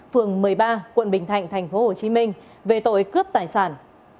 phường một mươi ba quận bình thạnh tp hcm về tội cướp tài sản